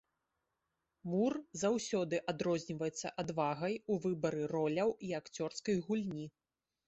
Мур заўсёды адрозніваецца адвагай у выбары роляў і акцёрскай гульні.